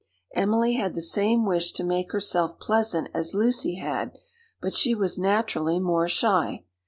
Emily had the same wish to make herself pleasant as Lucy had, but she was naturally more shy.